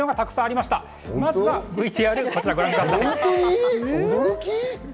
まずはＶＴＲをご覧ください。